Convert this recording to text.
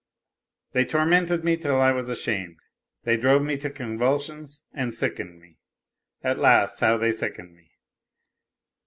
They tormented me till I was ashamed : they drove me to convulsions and 52 NOTES FROM UNDERGROUND sickened me, at last, how they sickened me